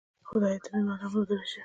خدایه ته مې مل او ملګری شې.